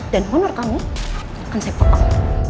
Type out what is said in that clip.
dan honor kamu akan saya pepah